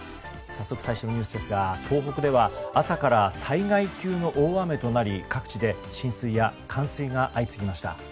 早速、最初のニュースですが東北では朝から災害級の大雨となり各地で浸水や冠水が相次ぎました。